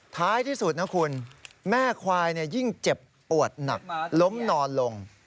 ท้ายที่สุดนะคุณแม่ควายยิ่งเจ็บปวดหนักล้มนอนลง